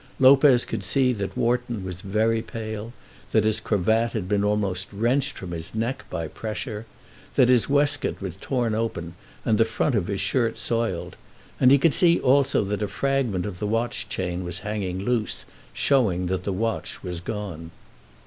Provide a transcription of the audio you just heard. Lopez could see that Wharton was very pale, that his cravat had been almost wrenched from his neck by pressure, that his waistcoat was torn open and the front of his shirt soiled, and he could see also that a fragment of the watch chain was hanging loose, showing that the watch was gone.